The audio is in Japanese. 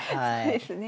そうですね。